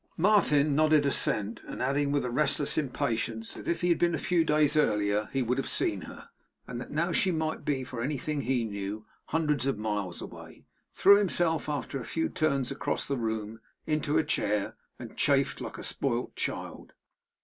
Martin nodded assent; and adding, with a restless impatience, that if he had been a few days earlier he would have seen her; and that now she might be, for anything he knew, hundreds of miles away; threw himself, after a few turns across the room, into a chair, and chafed like a spoilt child.